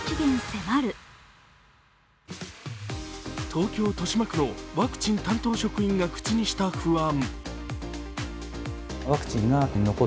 東京・豊島区のワクチン担当職員が口にした不安。